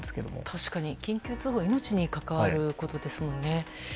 確かに、緊急通報は命に関わることですものね。